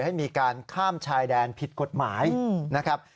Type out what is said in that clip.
ให้มีการข้ามชายแดนผิดกฎหมายนะครับ